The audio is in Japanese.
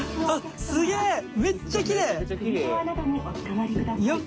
あっすごい！